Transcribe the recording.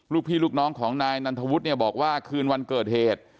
ลูกพี่ลูกน้องของนายนันทวุฒิเนี่ยบอกว่าคืนวันเกิดเหตุ